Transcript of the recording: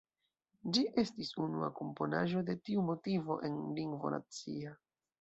Ĝi estis unua komponaĵo de tiu motivo en lingvo nacia.